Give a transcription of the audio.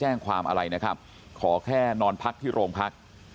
แล้วตามหายาดของแม่ลูกคู่นี้